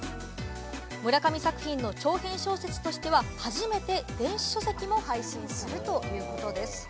村上作品の長編小説としては初めて電子書籍も配信するということです。